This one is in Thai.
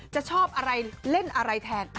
จะชอบอะไรเล่นอะไรแทน